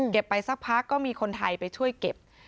ไปสักพักก็มีคนไทยไปช่วยเก็บ